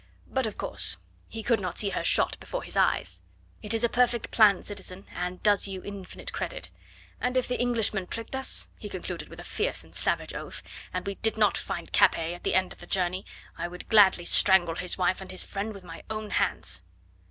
But, of course, he could not see her shot before his eyes. It is a perfect plan, citizen, and does you infinite credit; and if the Englishman tricked us," he concluded with a fierce and savage oath, "and we did not find Capet at the end of the journey, I would gladly strangle his wife and his friend with my own hands."